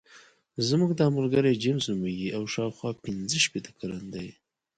زموږ دا ملګری جیمز نومېږي او شاوخوا پنځه شپېته کلن دی.